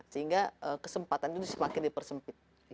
sehingga kesempatan itu semakin dipersempit